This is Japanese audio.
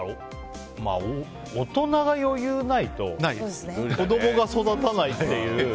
大人が余裕ないと子供が育たないという。